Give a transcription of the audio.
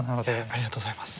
ありがとうございます。